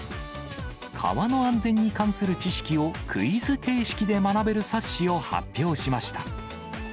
川の安全に関する知識をクイズ形式で学べる冊子を発表しました。